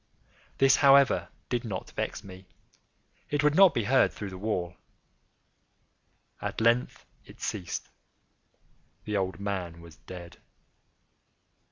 This, however, did not vex me; it would not be heard through the wall. At length it ceased. The old man was dead.